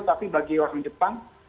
tapi bagi orang jepang